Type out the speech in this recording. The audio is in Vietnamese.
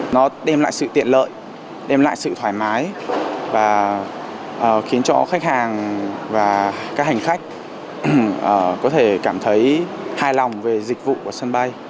nó đem lại sự tiện lợi đem lại sự thoải mái và khiến cho khách hàng và các hành khách có thể cảm thấy hài lòng về dịch vụ của sân bay